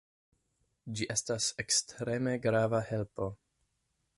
Ĝi estas ekstreme grava helpo.